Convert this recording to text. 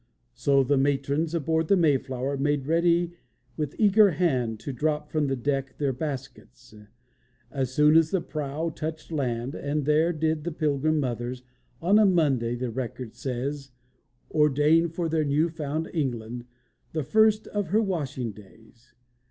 So the matrons aboard the Mayflower Made ready with eager hand To drop from the deck their baskets As soon as the prow touched land. And there did the Pilgrim Mothers, "On a Monday," the record says, Ordain for their new found England The first of her washing days.